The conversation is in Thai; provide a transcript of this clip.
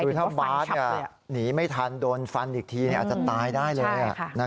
คือถ้าบาสหนีไม่ทันโดนฟันอีกทีอาจจะตายได้เลย